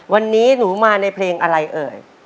วันนี้หนูมาในเพลงอะไรเอ่ย